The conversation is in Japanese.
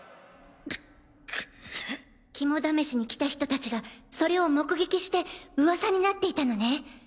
肝試しに来た人たちがそれを目撃してウワサになっていたのね。